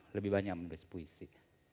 dan saya lebih banyak menulis puisi